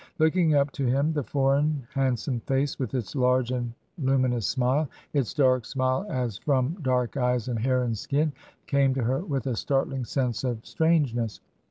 Looking up to him, the foreign, handsome face, with its large and lumi nous smile — its dark smile as from dark eyes and hair and skin — came to her with a startling sense of strange ness.